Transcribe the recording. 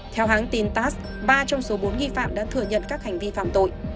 theo hãng tin tass ba trong số bốn nghi phạm đã thừa nhận các hành vi phạm tội